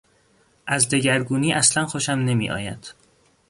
از دگرگونی اصلا خوشم نمیآید.